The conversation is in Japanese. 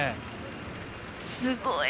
すごい。